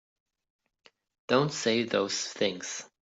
Don't say those things!